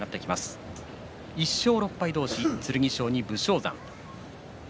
土俵は１勝６敗同士剣翔に武将山です。